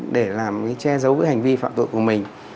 để làm che giấu cái hành vi phạm tội của mình